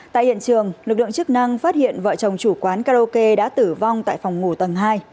tại hiện trường lực lượng chức năng phát hiện vợ chồng chủ quán karaoke đã tử vong tại phòng ngủ tầng hai